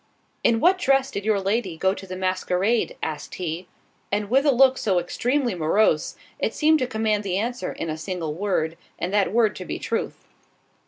"In what dress did your lady go to the masquerade?" asked he, and with a look so extremely morose, it seemed to command the answer in a single word, and that word to be truth.